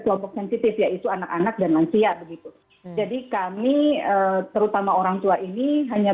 kelompok sensitif yaitu anak anak dan lansia begitu jadi kami terutama orang tua ini hanya